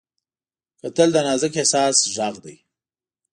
کتل د نازک احساس غږ دی